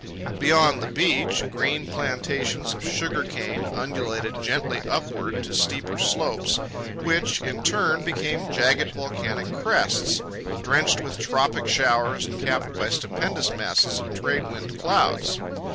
Beyond the beach, green plantations of sugar cane undulated gently upward to steeper slopes, which, in turn, became jagged volcanic crests, drenched with tropic showers and capped by stupendous masses of trade wind clouds.